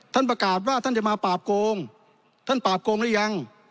ท่านประกาศว่าท่านจะมาปราบโกงท่านปราบโกงหรือยัง